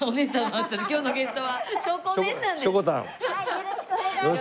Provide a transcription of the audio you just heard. よろしくお願いします。